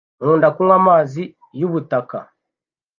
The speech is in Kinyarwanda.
Nkunda kunywa amazi yubutaka.